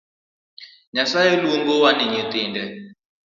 Nyasaye luongowa ni nyithinde